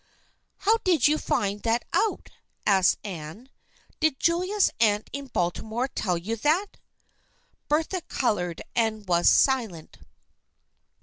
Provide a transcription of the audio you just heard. "How did you find that out?" asked Anne. " Did Julia's aunt in Baltimore tell you that ?" Bertha colored and was silent.